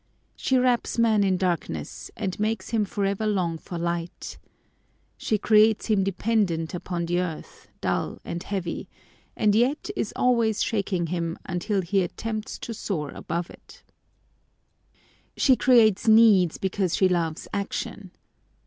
She wraps man in darkness, and makes him for ever long for light. She creates him dependent upon the earth, dull and heavy ; and yet is always shaking him until he attempts to soar above it. B 10 NATURE [ Nov. 4, 1869 She creates needs because she loves action.